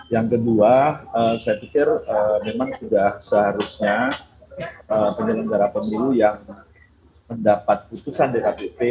yang kedua saya pikir memang sudah seharusnya penyelenggara pemilu yang mendapat putusan dkpp